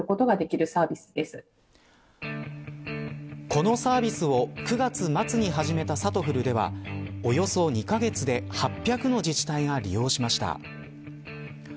このサービスを９月末に始めたさとふるではおよそ２カ月で８００の自治体が利用しました。